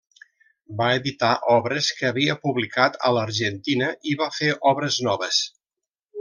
Va editar obres que havia publicat a l'Argentina i va fer obres noves.